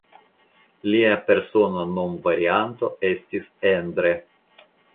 Lia persona nomvarianto estis "Endre".